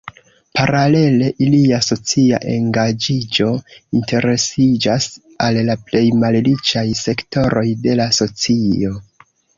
Paralele ilia socia engaĝiĝo interesiĝas al la plej malriĉaj sektoroj de la socio.